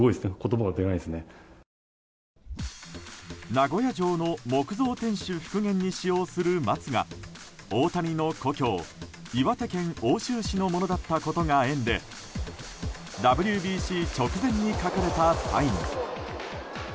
名古屋城の木造天守復元に使用する松が大谷の故郷、岩手県奥州市のものだったことが縁でＷＢＣ直前に書かれたサイン。